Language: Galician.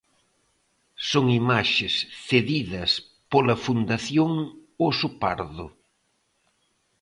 Son imaxes cedidas pola fundación oso Pardo.